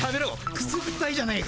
くすぐったいじゃねえか。